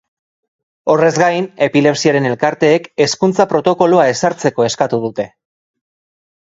Horrez gain, epilepsiaren elkarteek hezkuntza protokoloa ezartzeko eskatu dute.